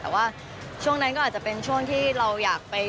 แต่ว่าช่วงนั้นก็อาจจะเป็นช่วงที่เราอยากไป